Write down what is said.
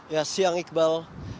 ya siang iqbal